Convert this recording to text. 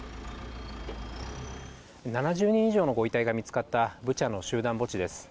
７０人以上のご遺体が見つかったブチャの集団墓地です。